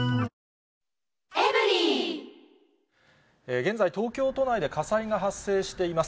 現在、東京都内で火災が発生しています。